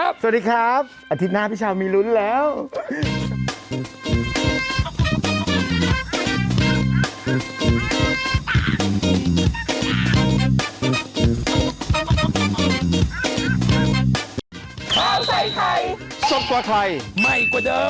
โปรดติดตามตอนต่อไป